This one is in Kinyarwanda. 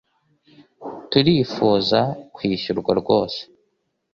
turifuza kwishyurwa rwose